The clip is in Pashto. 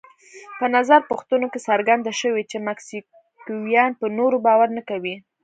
په نظر پوښتنو کې څرګنده شوې چې مکسیکویان پر نورو باور نه کوي.